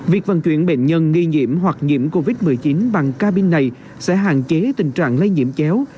việc vận chuyển bệnh nhân nghi nhiễm hoặc nhiễm covid một mươi chín bằng cabin này sẽ hạn chế tình trạng lây nhiễm chéo